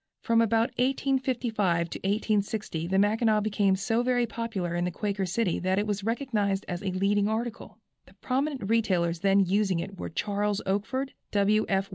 From about 1855 to 1860 the Mackinaw became so very popular in the Quaker City that it was recognized as a leading article. The prominent retailers then using it were Charles Oakford, W. F.